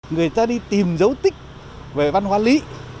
người ta đi tìm dấu tích về văn hóa lý